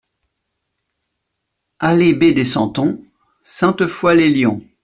Allée B des Santons, Sainte-Foy-lès-Lyon